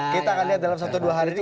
kita akan lihat dalam satu dua hari ini